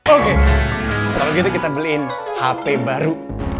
oke kalau gitu kita beliin hp baru